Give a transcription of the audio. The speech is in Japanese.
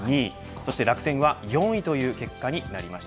そして楽天は４位という結果になりました。